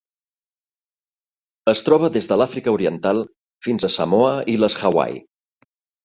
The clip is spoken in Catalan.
Es troba des de l'Àfrica Oriental fins a Samoa i les Hawaii.